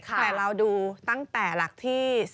แต่เราดูตั้งแต่หลักที่